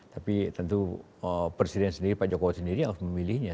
tapi tentu presiden sendiri pak jokowi sendiri harus memilihnya